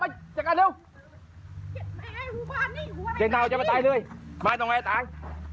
เจนเตาจะมาตายเลยไปตรงนี้ต่าง